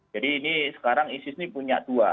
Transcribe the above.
jadi ini sekarang isis ini punya dua